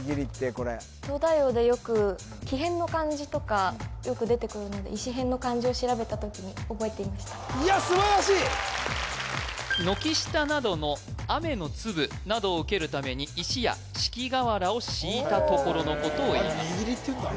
これ「東大王」でよく木偏の漢字とかよく出てくるので石偏の漢字を調べた時に覚えていましたいや素晴らしい軒下などの雨の粒などを受けるために石や敷瓦を敷いたところのことをいいます